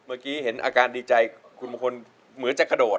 เมื่อกี้เห็นอาการดีใจคุณมงคลเหมือนจะกระโดด